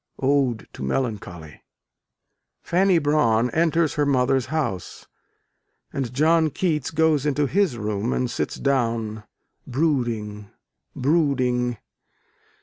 Ode to Melancholy. Fanny Brawne enters her mother's house, and John Keats goes into his room and sits down, brooding, brooding.